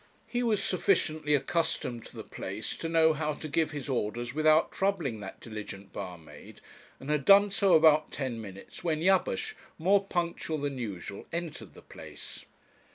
He was sufficiently accustomed to the place to know how to give his orders without troubling that diligent barmaid, and had done so about ten minutes when Jabesh, more punctual than usual, entered the place.